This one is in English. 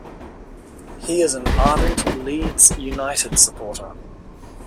He is an ardent Leeds United supporter.